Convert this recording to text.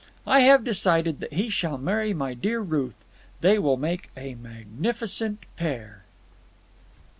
I have decided that he shall marry my dear Ruth. They will make a magnificent pair."